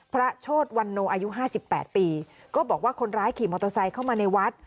พระโชทวันนโลอายุ๕๘ปีก็บอกว่าคนร้ายขี่มอเตอร์ไซค์เข้ามาในวัด